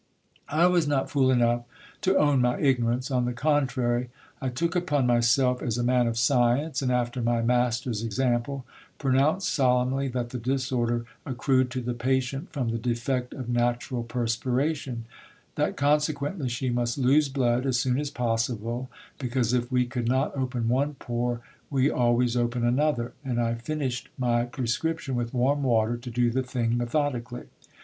I was not fool enough to own my ignorance ; on the contrary, I took upon my self as a man of science, and after my master's example, pronounced solemnly that the disorder accrued to the patient from the defect of natural perspiration ; that consequently she must lose blood as soon as possible, because if we could not open one pore, we always open another : and I finished my prescription with warm water, to do the thing methodically.